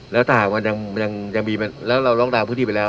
แล้วทหารมันยังยังยังมีแล้วเราล็อกดาวน์พื้นที่ไปแล้ว